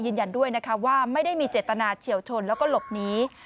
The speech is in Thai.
ยืนยันด้วยนะคะว่าไม่ได้มีเจตนาเฉียวชนแล้วก็หลบหนี